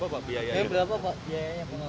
berapa pak biayanya